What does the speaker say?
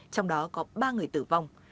trong đó có ba người tử vong